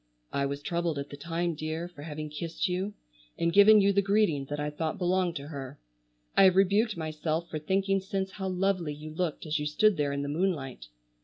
"I was troubled at the time, dear, for having kissed you, and given you the greeting that I thought belonged to her. I have rebuked myself for thinking since how lovely you looked as you stood there in the moonlight.